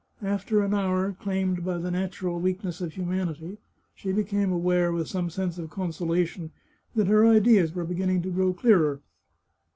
After an hour claimed by the natural weakness of humanity, she became aware, with some sense of consola tion, that her ideas were beginning to grow clearer.